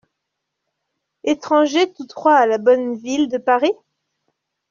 Étrangers tous trois à la bonne ville de Paris ?…